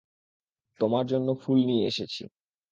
তোমার জন্য ফুল নিয়ে এসেছি।